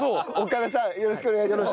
岡田さんよろしくお願いします。